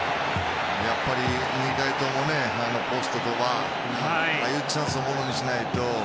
やっぱり２回ともポストとバーでああいうチャンスをものにしないと。